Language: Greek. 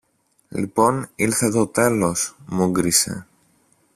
Λοιπόν, ήλθε το τέλος! μούγκρισε.